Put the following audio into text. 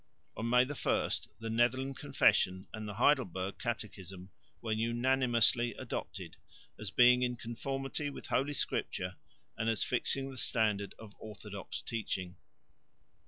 On May 1 the Netherland confession and the Heidelberg catechism were unanimously adopted, as being in conformity with Holy Scripture, and as fixing the standard of orthodox teaching.